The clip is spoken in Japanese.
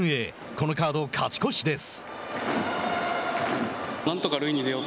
このカード勝ち越しです。